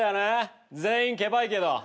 全員けばいけど。